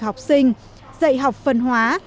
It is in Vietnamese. học sinh dạy học phân hóa